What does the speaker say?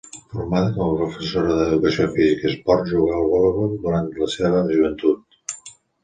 Formada com a professora d’educació física i esport, jugà al voleibol durant la seva joventut.